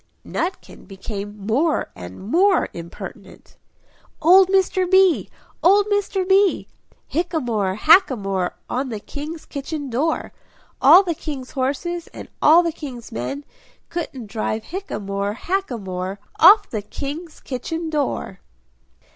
Nutkin became more and more impertinent "Old Mr. B! Old Mr. B! Hickamore, Hackamore, on the King's kitchen door; All the King's horses, and all the King's men, Couldn't drive Hickamore, Hackamore, Off the King's kitchen door."